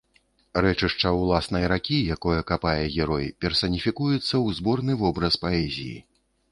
Рэчышча ўласнай ракі, якое капае герой, персаніфікуецца ў зборны вобраз паэзіі.